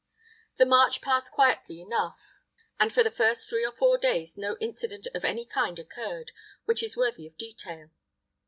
The march passed quietly enough, and for the first three or four days no incident of any kind occurred which is worthy of detail.